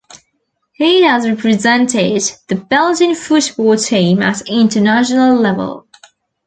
He has represented the Belgian football team at international level.